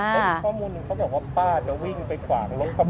แต่ข้อมูลเขาบอกว่าป้าจะวิ่งไปฝากรถขับรถ